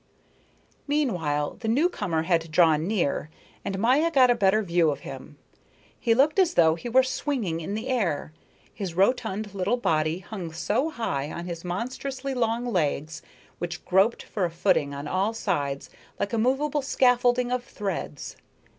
Meanwhile the newcomer had drawn near, and Maya got a better view of him. He looked as though he were swinging in the air, his rotund little body hung so high on his monstrously long legs, which groped for a footing on all sides like a movable scaffolding of threads.